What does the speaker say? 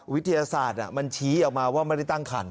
วิทยาศาสตร์มันชี้ออกมาว่าไม่ได้ตั้งคัน